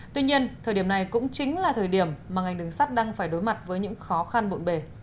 tuy nhiên thời điểm này cũng chính là thời điểm mà ngành đường sắt đang phải đối mặt với những khó khăn bộn bề